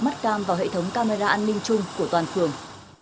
mắt cam vào hệ thống camera an ninh chung của toàn phường